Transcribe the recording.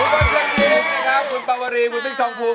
คุณบริเวณพีชนะครับคุณปวรีคุณพิษทองภูมิ